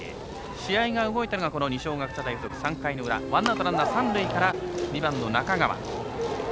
試合が動いたのが二松学舎大付属３回の裏ワンアウト、ランナー三塁から２番の中川。